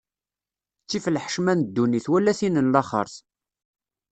Ttif lḥecma n ddunit, wala tin n laxert.